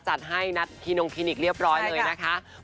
จัดให้นัดคินงคลินิกเรียบร้อยเลยนะคะ